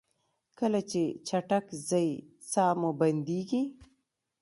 کله چې چټک ځئ ساه مو بندیږي؟